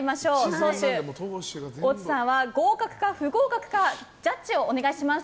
党首、大津さんは合格か不合格かジャッジをお願いします。